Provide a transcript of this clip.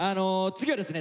次はですね